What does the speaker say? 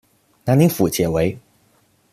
南宁府解围。